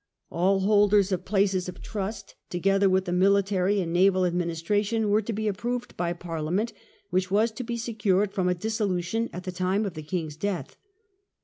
All holders of places of trust, together with the military and naval administration, were to be approved by Parliament, which was to be secured from a dissolution at the time of the king's death.